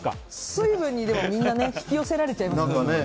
水分にみんな引き寄せられちゃいますね。